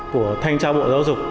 của thanh tra bộ giáo dục